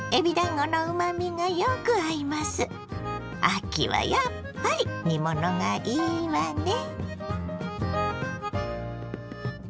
秋はやっぱり煮物がいいわね。